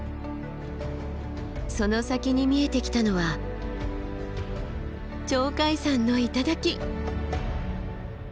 その先に見えてきたのは鳥海山の頂。